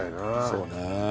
そうね。